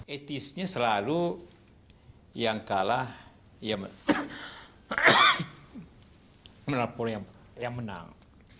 etisnya selalu yang kalah yang menang